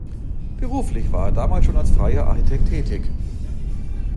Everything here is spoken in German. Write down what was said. Beruflich war er damals schon als freier Architekt tätig.